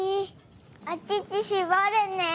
おちちしぼるね。